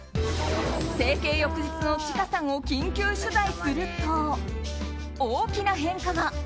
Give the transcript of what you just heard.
整形翌日のちかさんを緊急取材すると、大きな変化が。